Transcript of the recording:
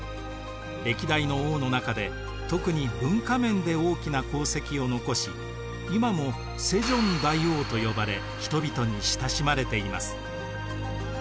歴代の王の中で特に文化面で大きな功績を残し今も世宗大王と呼ばれ人々に親しまれています。